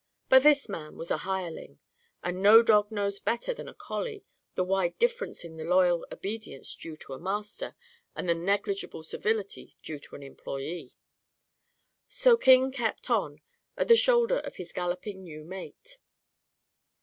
But this man was a hireling. And no dog knows better than a collie the wide difference in the loyal obedience due to a master and the negligible civility due to an employee. So King kept on, at the shoulder of his galloping new mate.